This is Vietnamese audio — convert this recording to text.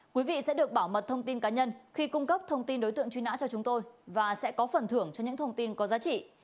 quý vị sẽ được bảo mật thông tin cá nhân khi cung cấp thông tin đối tượng truy nã cho chúng tôi và sẽ có phần thưởng cho những thông tin có giá trị